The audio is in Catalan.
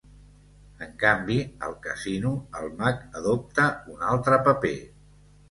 En canvi, al casino el mag adopta un altre paper.